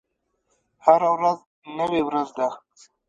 هره ورځ نوې ورځ ده